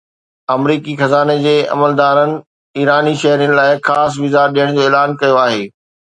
آمريڪي خزاني جي عملدارن ايراني شهرين لاءِ خاص ويزا ڏيڻ جو اعلان ڪيو آهي